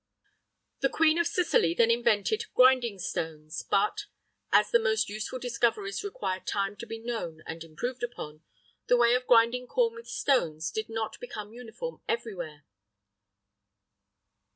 The Queen of Sicily then invented grinding stones,[III 8] but, as the most useful discoveries require time to be known and improved upon, the way of grinding corn with stones did not become uniform everywhere.